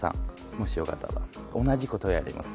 もしよかったら同じことやります。